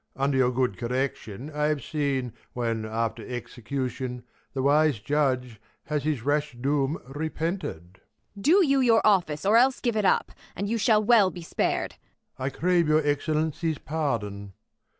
Under your good correction, I have seen When, after execution, the wise judge Has his rash doom repented. Ang. Do j^ou your office, or else give it up ! And you shall well he spar'd. Prov. I crave your Excellency's pardon.